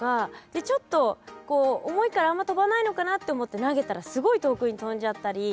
でちょっとこう重いからあんまとばないのかなって思って投げたらすごい遠くにとんじゃったり。